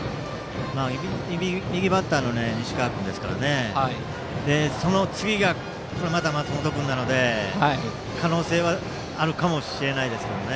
右バッターの西川君ですからその次がまた松本君なので可能性はあるかもしれないです。